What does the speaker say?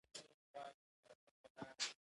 جامې نور د ګټې اخیستنې وړ نه پاتې کیږي.